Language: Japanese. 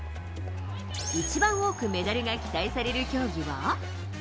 一番多くメダルが期待される競技は？